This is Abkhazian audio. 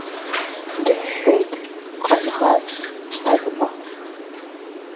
Дыҳәҳәеит Ҟамӷаз Ҳагба.